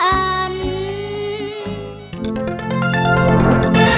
รับทราบ